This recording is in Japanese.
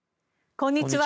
こんにちは。